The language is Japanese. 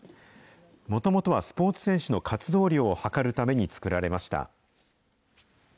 もともとはスポーツ選手の活動量を測るために作られました。